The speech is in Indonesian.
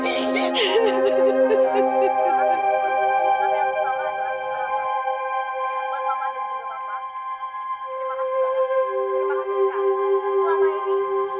semoga dengan piala ini